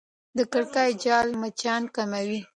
د کړکۍ جال مچان کموي.